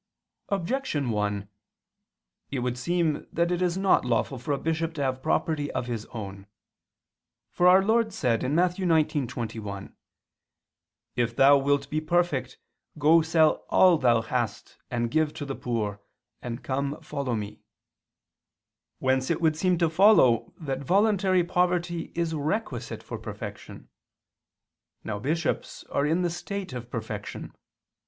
Objection 1: It would seem that it is not lawful for a bishop to have property of his own. For our Lord said (Matt. 19:21): "If thou wilt be perfect, go sell all [Vulg.: 'what'] thou hast, and give to the poor ... and come, follow Me"; whence it would seem to follow that voluntary poverty is requisite for perfection. Now bishops are in the state of perfection.